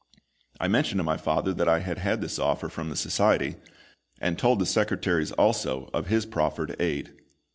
I mentioned to my father that I had had this offer from the Society, and told the secretaries also of his proffered aid.